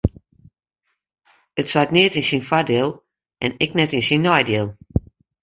It seit neat yn syn foardiel en ek net yn syn neidiel.